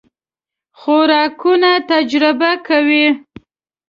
خوراکونه تجربه کوئ؟